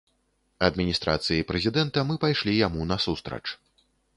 Адміністрацыі прэзідэнта мы пайшлі яму насустрач.